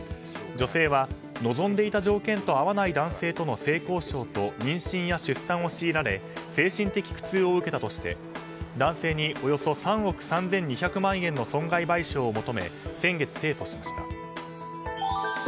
女性は、望んでいた条件と合わない男性との性交渉と妊娠や出産を強いられ精神的苦痛を受けたとして男性におよそ３億３２００万円の損害賠償を求め先月、提訴しました。